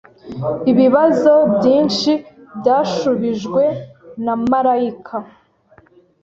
Ibibazo byinshi byashubijwe namarayika